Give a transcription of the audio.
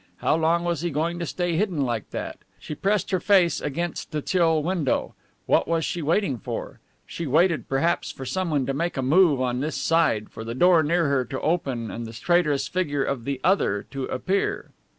How long was he going to stay hidden like that? She pressed her face against the chill window. What was she waiting for? She waited perhaps for someone to make a move on this side, for the door near her to open and the traitorous figure of The Other to appear.